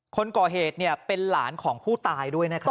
คนก่อเหตุเนี่ยเป็นหลานของผู้ตายด้วยนะครับ